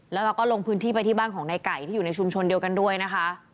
แล้วเราก็ลงพื้นที่ไปที่บ้านของนายไก่ที่อยู่ในชุมชนเดียวกันด้วยนะคะ